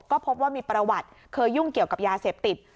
ก็พบว่ามีประวัติเคยยุ่งเกี่ยวกับยาเสพติด